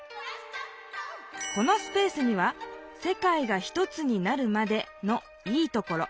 このスペースには「世界がひとつになるまで」の「いいところ」。